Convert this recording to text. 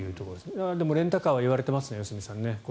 でもレンタカーはいわれていますね、良純さん。